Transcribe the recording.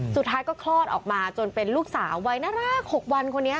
สุดท้ายก็คลอดออกมาจนเป็นลูกสาวใหม่น้ารากหกวันคนนี้ค่ะ